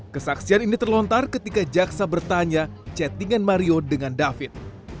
kesaksian ini terlontar ketika jaksa bertanya chattingan mario dengan david